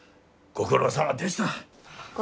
ご苦労さまでした。